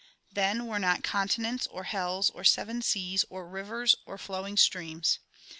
Then were not continents, or hells, or seven seas, or rivers, or flowing streams.